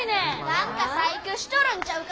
何か細工しとるんちゃうか？